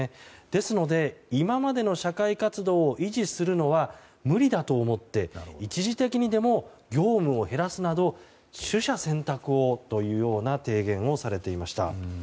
ですので今までの社会活動を維持するのは無理だと思って一時的にでも業務を減らすなど取捨選択をというような提言をされていました。